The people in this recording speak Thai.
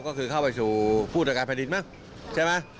ก็คือเข้าไปสู่ผู้ตรวจการแผ่นดินมั้งใช่ไหม